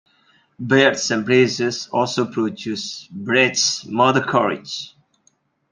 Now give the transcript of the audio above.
Belt and Braces also produced Brecht's "Mother Courage".